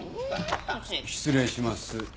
失礼します。